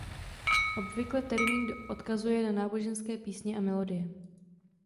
Obvykle termín odkazuje na náboženské písně a melodie.